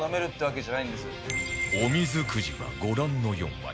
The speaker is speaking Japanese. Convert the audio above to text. おみずくじはご覧の４枚